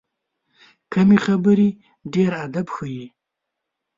کمې خبرې، ډېر ادب ښیي.